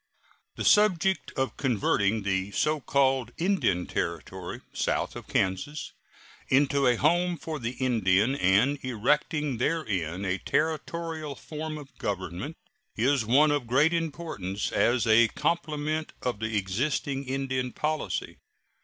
The subject of converting the so called Indian Territory south of Kansas into a home for the Indian, and erecting therein a Territorial form of government, is one of great importance as a complement of the existing Indian policy.